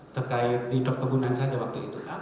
terkait di perkebunan saja waktu itu